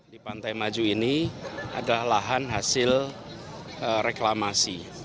di pantai maju ini adalah lahan hasil reklamasi